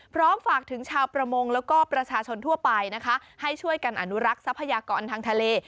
พร้อมฝากถึงชาวประมงแล้วก็ประชาชนทั่วไปนะคะให้ช่วยกันอนุรักษ์ทรัพยากรทางทะเล